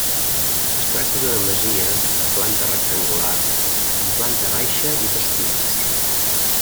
Es tracta d'una masia de planta rectangular amb planta baixa i dos pisos.